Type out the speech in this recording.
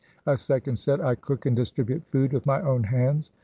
A second said, ' I cook and distribute food with my own hands.'